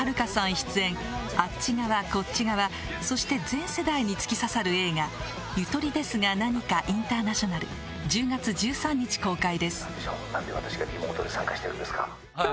出演あっち側こっち側そして全世代に突き刺さる映画『ゆとりですがなにかインターナショナル』１０月１３日公開です今日は。